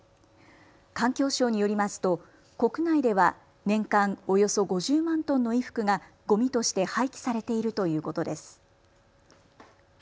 環境省によりますと国内では年間およそ５０万トンの衣服がごみとして廃棄されているということです。